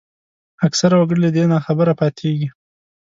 اکثره وګړي له دې ناخبره پاتېږي